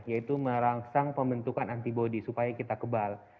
yaitu merangsang pembentukan antibody supaya kita kebal